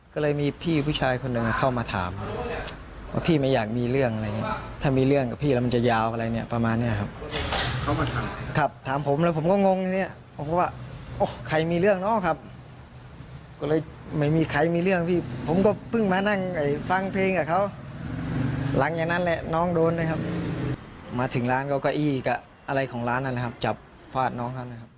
ก็เลยมีพี่ผู้ชายคนหนึ่งเข้ามาถามว่าพี่ไม่อยากมีเรื่องอะไรอย่างเงี้ยถ้ามีเรื่องกับพี่แล้วมันจะยาวอะไรเนี้ยประมาณเนี้ยครับเขามาถามครับถามผมแล้วผมก็งงอย่างเงี้ยผมก็บอกว่าโอ๊ะใครมีเรื่องเนอะครับก็เลยไม่มีใครมีเรื่องพี่ผมก็เพิ่งมานั่งไอ้ฟังเพลงกับเขาหลังอย่างนั้นแหละน้องโดนนะครับมาถึงร้านเขาก็อี้กับอะไรของร้านน